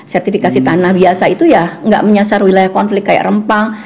sertifikasi tanah biasa itu ya nggak menyasar wilayah konflik kayak rempang